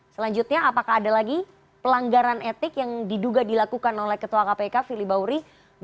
selanjutnya apakah ada lagi pelanggaran etik yang diduga dilakukan oleh ketua kpk firly bahuri dua ribu dua puluh satu